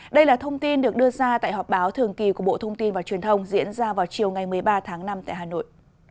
đây là thông tin được đưa ra tại họp báo thường kỳ của bộ thông tin và truyền thông diễn ra vào chiều ngày một mươi ba tháng năm tại hà nội